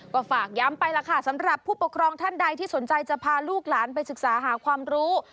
ก็ฝากย้ำไปล่ะค่ะสำหรับผู้ปกครองท่านใดที่สนใจจะพาลูกหลานไปศึกษาหาความรู้